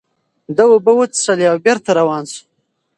ده اوبه وڅښلې او بېرته روان شو.